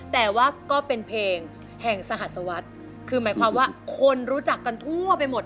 แต่ว่าก็เป็นเพลงแห่งสหัสวรรษคือหมายความว่าคนรู้จักกันทั่วไปหมด